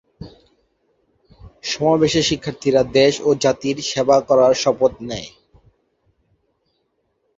সমাবেশের শিক্ষার্থীরা দেশ ও জাতির সেবা করার শপথ নেয়।